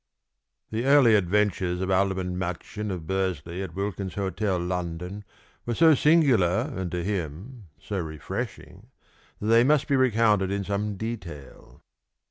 The early adventures of Alderman Machin of Bursley at Wilkins' Hotel, London, were so singular and to him so refreshing that they must be recounted in some detail.